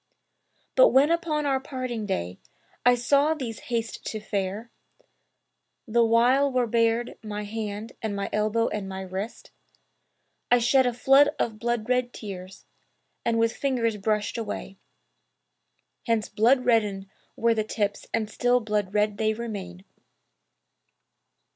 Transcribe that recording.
But when upon our parting day I saw thee haste to fare, The while were bared my hand and my elbow and my wrist; 'I shed a flood of blood red tears and with fingers brushed away; Hence blood reddened were the tips and still blood red they remain.'